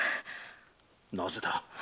なぜだ？